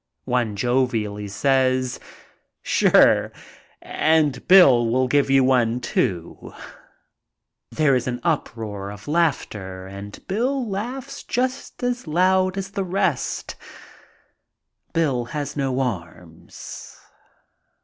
One jovially says, "Sure, and Bill will give you one, too." There is an uproar of laughter and BiU laughs just as loud as the rest. Bill has no arms.